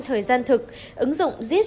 thời gian thực ứng dụng gis vào công tác